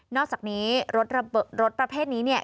อกจากนี้รถประเภทนี้เนี่ย